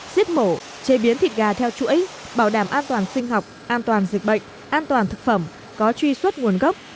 giết mổ chế biến thịt gà theo chuỗi bảo đảm an toàn sinh học an toàn dịch bệnh an toàn thực phẩm có truy xuất nguồn gốc